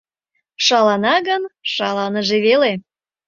Шалана гын, шаланыже веле.